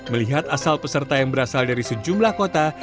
melihat asal peserta yang berasal dari sejumlah kota